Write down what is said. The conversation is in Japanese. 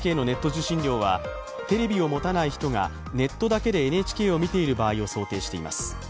受信料はテレビを持たない人がネットだけでＮＨＫを見ている場合を想定しています。